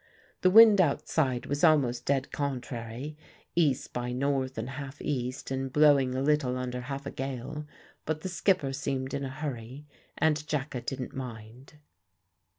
The wind outside was almost dead contrary, E. by N. and half E., and blowing a little under half a gale, but the skipper seemed in a hurry, and Jacka didn't mind.